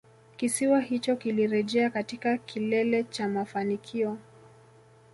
Kisiwa hicho kilirejea katika kilele cha mafanikio